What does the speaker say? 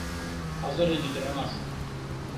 Азырен ӱдырамаш!